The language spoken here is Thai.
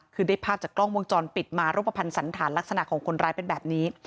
คือได้ภาพจากกล้องวงจรปิดมารูปภัณฑ์สันฐานลักษณะของคนร้ายเป็นแบบนี้